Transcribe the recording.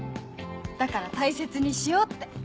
だから大切にしようって。